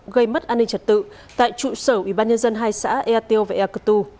gây mất an ninh trật tự tại trụ sở ubnd hai xã ea tiêu và ea cơ tu